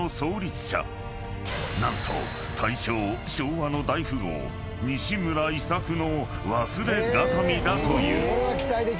［何と大正・昭和の大富豪西村伊作の忘れ形見だという］